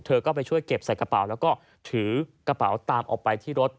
เธอก็ไปช่วยเก็บใส่กระเป๋าแล้วก็ถือกระเป๋าตามออกไปที่รถ